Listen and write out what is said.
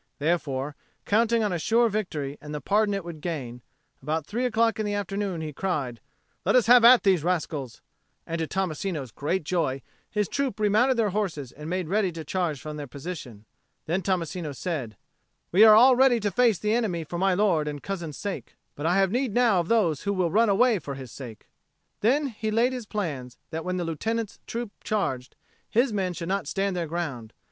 Therefore, counting on a sure victory and the pardon it would gain, about three o'clock in the afternoon he cried, "Let us have at these rascals!" and to Tommasino's great joy, his troop remounted their horses and made ready to charge from their position. Then Tommasino said, "We are all ready to face the enemy for my lord and cousin's sake. But I have need now of those who will run away for his sake." Then he laid his plans that when the Lieutenant's troop charged, his men should not stand their ground.